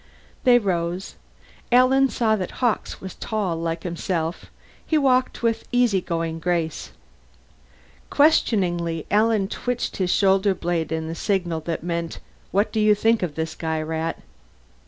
They rose. Alan saw that Hawkes was tall, like himself; he walked with easygoing grace. Questioningly Alan twitched his shoulder blade in a signal that meant, _What do you think of this guy, Rat?